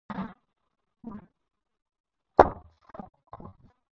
هندوکش د افغانستان د پوهنې نصاب کې شامل دي.